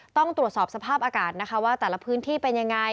ต้องตรวจสอบสภาพอากาศนะคะว่าแต่ละพื้นที่เป็นยังไง